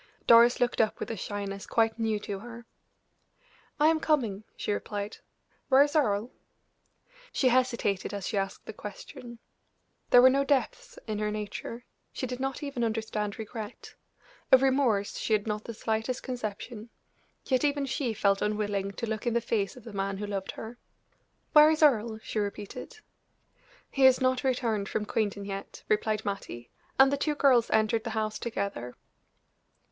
Doris looked up with a shyness quite new to her. "I am coming," she replied. "Where is Earle?" She hesitated as she asked the question. There were no depths in her nature; she did not even understand regret of remorse she had not the slightest conception; yet even she felt unwilling to look in the face of the man who loved her. "Where is Earle?" she repeated. "He has not returned from Quainton yet," replied Mattie; and the two girls entered the house together.